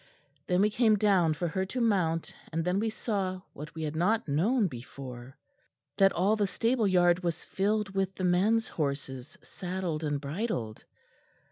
Then we came down for her to mount; and then we saw what we had not known before, that all the stable yard was filled with the men's horses saddled and bridled.